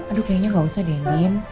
aduh kayaknya gak usah deh lindin